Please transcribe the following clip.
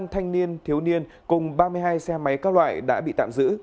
một mươi năm thanh niên thiếu niên cùng ba mươi hai xe máy các loại đã bị tạm giữ